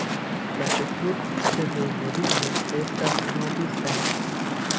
La ĉefurbo de Vojvodino estas Novi Sad.